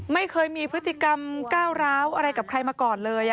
ไม่เคยมีพฤติกรรมก้าวร้าวอะไรกับใครมาก่อนเลย